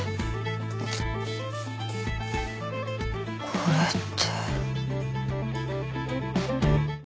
これって。